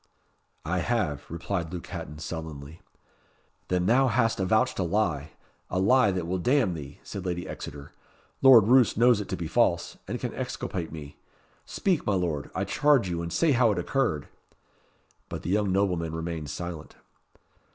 "I have," replied Luke Hatton, sullenly. "Then thou hast avouched a lie a lie that will damn thee," said Lady Exeter. "Lord Roos knows it to be false, and can exculpate me. Speak, my Lord, I charge you, and say how it occurred." But the young nobleman remained silent.